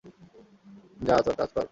যা, তোর কাজ কর।